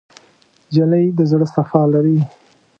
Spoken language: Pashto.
نجلۍ د زړه صفا لري.